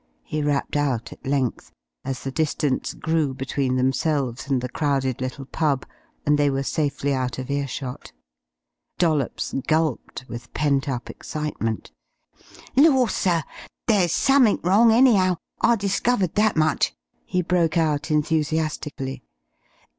he rapped out at length, as the distance grew between themselves and the crowded little pub, and they were safely out of earshot. Dollops gulped with pent up excitement. "Lor! sir, there's summink wrong, any'ow; I've discovered that much!" he broke out enthusiastically.